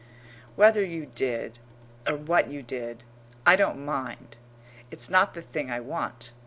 Whether you did, or what you did, I don't mind; it's not the thing I want.